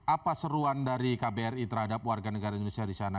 apa seruan dari kbri terhadap warga negara indonesia di sana